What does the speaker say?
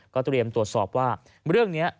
เตรียมตรวจสอบว่าเรื่องนี้